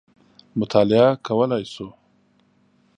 مطالعه کولای شو.